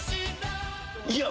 いや。